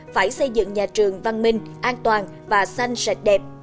phải xây dựng nhà trường văn minh an toàn và xanh sạch đẹp